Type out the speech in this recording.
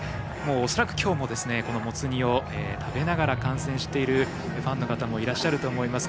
恐らく今日も、もつ煮を食べながら観戦しているファンの方もいらっしゃると思います。